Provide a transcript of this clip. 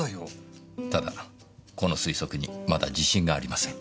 ただこの推測にまだ自信がありません。